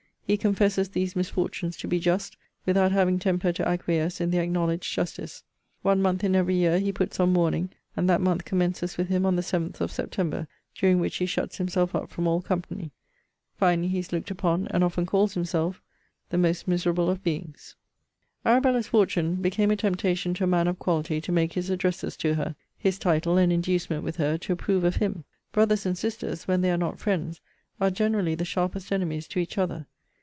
He confesses these misfortunes to be just, without having temper to acquiesce in the acknowledged justice. One month in every year he puts on mourning, and that month commences with him on the 7th of September, during which he shuts himself up from all company. Finally, he is looked upon, and often calls himself, THE MOST MISERABLE OF BEINGS. ARABELLA'S fortune became a temptation to a man of quality to make his addresses to her: his title an inducement with her to approve of him. Brothers and sisters, when they are not friends, are generally the sharpest enemies to each other.